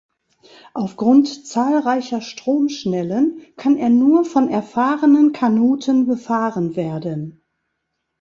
Aufgrund zahlreicher Stromschnellen kann er nur von erfahrenen Kanuten befahren werden.